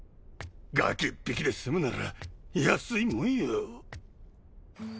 ガキ一匹で済むなら安いもんよ。